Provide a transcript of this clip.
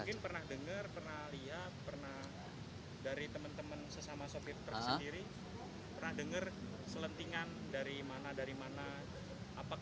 mungkin pernah dengar pernah lihat pernah dari teman teman sesama sopil tersendiri pernah dengar selentingan dari mana mana apakah oknum atau